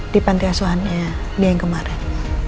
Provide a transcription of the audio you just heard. di pantai asuhannya dia yang kemarin